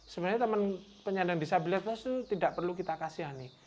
sebenarnya teman penyandang disabilitas itu tidak perlu kita kasihani